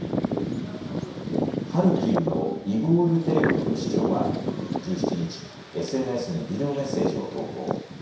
ハルキウのイゴール・テレホフ市長は１７日、ＳＮＳにビデオメッセージを投稿。